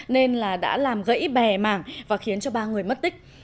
nên đã làm gãy bè mảng và khiến ba người mất tích